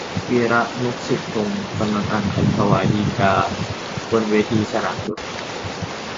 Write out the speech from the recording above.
วีระ มุกสิกพงษ์ กำลังอ่านคำถวายฎีกา บนเวทีสนามหลวง